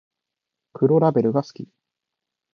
黒ラベルが好き